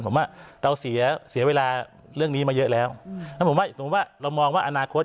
ผมว่าเราเสียเสียเวลาเรื่องนี้มาเยอะแล้วแล้วผมว่าสมมุติว่าเรามองว่าอนาคต